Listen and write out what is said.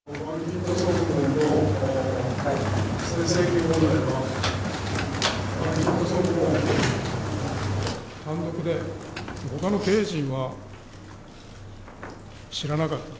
不正請求問題は、板金塗装部門の単独で、ほかの経営陣は知らなかった。